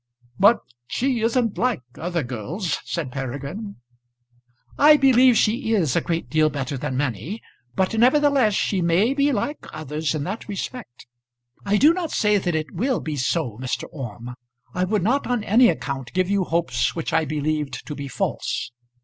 "But she isn't like other girls," said Peregrine. "I believe she is a great deal better than many, but nevertheless she may be like others in that respect. I do not say that it will be so, Mr. Orme. I would not on any account give you hopes which I believed to be false.